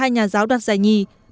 ba mươi hai nhà giáo đặt giải nhì